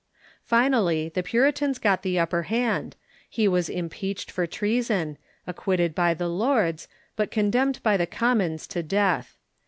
Finally, the Puritans got the iipper hand • he was impeached for treason, acquitted by the Lords, but condemned by the Commons to death.